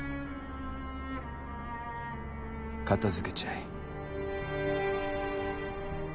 片付けちゃえ。